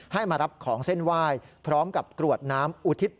ให้มารับของเส้นไหว้พร้อมกับกรวดน้ำอุทิศ